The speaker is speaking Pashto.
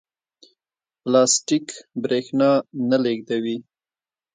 پلاستیک برېښنا نه لېږدوي.